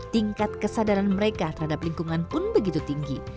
tingkat kesadaran mereka terhadap lingkungan pun begitu tinggi